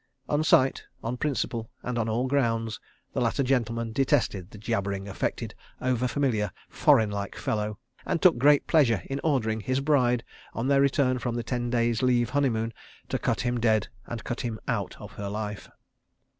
On sight, on principle, and on all grounds, the latter gentleman detested the jabbering, affected, over familiar, foreign like fellow, and took great pleasure in ordering his bride, on their return from the ten days leave honeymoon, to cut him dead and cut him out—of her life.